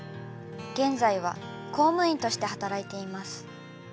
現在は公務員として働いています。